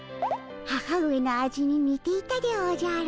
母上の味ににていたでおじゃる。